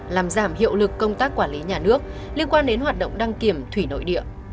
làm giảm hiệu lực công tác quản lý nhà nước liên quan đến hoạt động đăng kiểm thủy nội địa